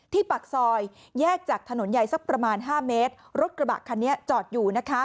ปากซอยแยกจากถนนใหญ่สักประมาณ๕เมตรรถกระบะคันนี้จอดอยู่นะคะ